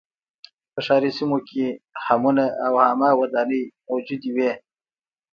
په ښاري سیمو کې حمونه او عامه ودانۍ موجودې وې